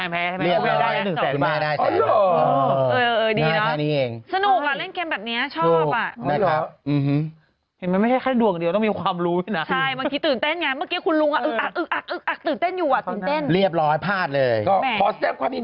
ปื๊ดปื๊ดอ่ะแพ้ใช่ไหมปื๊ดปื๊ดได้๑แสนบาท